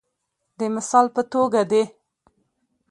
د مثال په توګه د